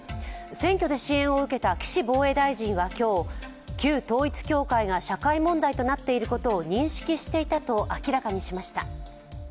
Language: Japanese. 選挙で支援を受けた岸防衛大臣は今日、旧統一教会が社会問題となっていることを認識していたと明らかにしました。